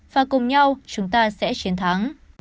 và cùng nhau chúng ta sẽ chiến thắng